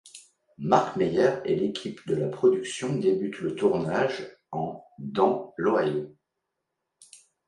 Marc Meyers et l’équipe de la production débutent le tournage en dans l’Ohio.